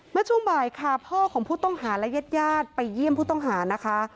เมื่อช่วงบ่ายค่ะพ่อของผู้ต้องหาและญาติญาติไปเยี่ยมผู้ต้องหานะคะ